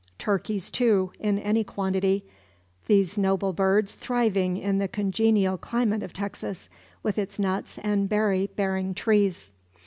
Turkeys, too, in any quantity; these noble birds thriving in the congenial climate of Texas, with its nuts and berry bearing trees.